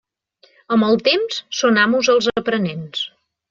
Amb el temps, són amos els aprenents.